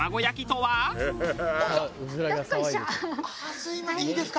いいですか？